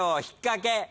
ひっかけ。